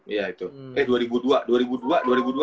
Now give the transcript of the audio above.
iya itu eh dua ribu dua ya